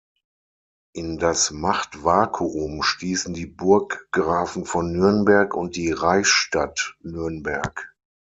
In das Machtvakuum stießen die Burggrafen von Nürnberg und die Reichsstadt Nürnberg.